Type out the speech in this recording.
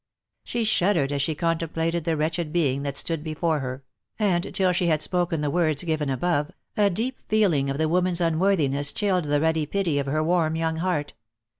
She shuddered as she contemplated the wretched being that stood before OF MICHAEL ARMSTRONG. 105 her, and till she had spoken the words given above, a deep feeling of the woman's unworthiness chilled the ready pity of her warm young heart.